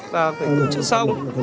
và phải tổ chức xong